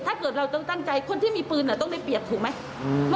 ถ้าเกิดเราต้องตั้งใจคนที่มีปืนต้องได้เปรียบถูกไหม